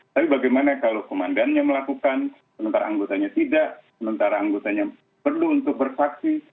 tapi bagaimana kalau komandannya melakukan sementara anggotanya tidak sementara anggotanya perlu untuk bersaksi